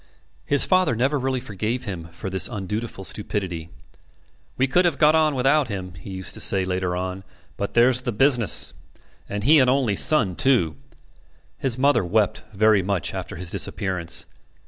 His father never really forgave him for this undutiful stupidity. "We could have got on without him," he used to say later on, "but there's the business. And he an only son, too!" His mother wept very much after his disappearance.